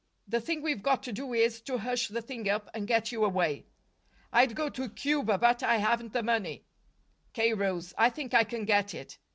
The thing we've got to do is to hush the thing up, and get you away." "I'd go to Cuba, but I haven't the money." K. rose. "I think I can get it."